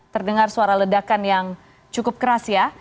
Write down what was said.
terdengar suara ledakan yang cukup keras ya